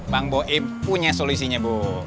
bang boib punya solusinya bu